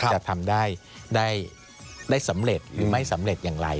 จะทำได้ได้สำเร็จหรือไม่สำเร็จอย่างไร